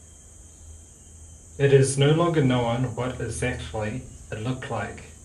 It is no longer known what exactly it looked like.